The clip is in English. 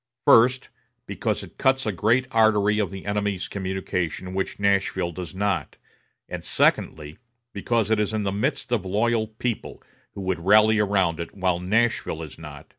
First, because it cuts a great artery of the enemy's communication which Nashville does not; and, secondly, because it is in the midst of loyal people, who would rally around it, while Nashville is not....